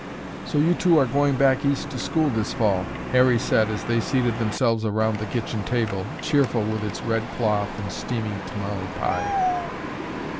"So you two are going back East to school this fall," Harry said as they seated themselves around the kitchen table, cheerful with its red cloth and steaming tamale pie.